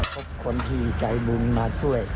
พบคนที่ใจบุญมาช่วย